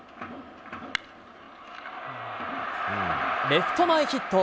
レフト前ヒット。